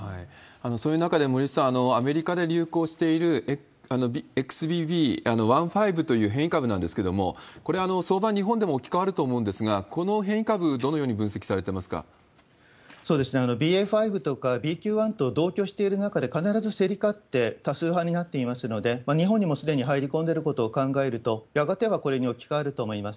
そういう中で、森内さん、アメリカで流行しているＸＢＢ．１．５という変異株なんですけれども、これ、早晩、日本でも置き換わると思うんですが、この変異株、どのように分析ＢＡ．５とか、ＢＱ．１と同居している中で、必ず競り勝って多数派になっていますので、日本にもすでに入り込んでいることを考えると、やがてはこれに置き換わると思います。